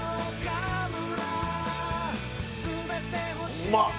うまっ！